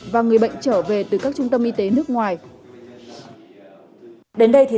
và người bệnh trở về từ các trung tâm y tế nước ngoài